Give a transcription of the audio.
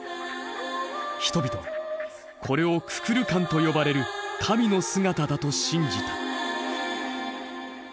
人々はこれを「ククルカン」と呼ばれる神の姿だと信じた。